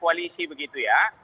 koalisi begitu ya